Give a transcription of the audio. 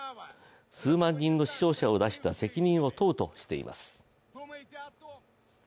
数万人の死傷者を出した責任を問うとしています。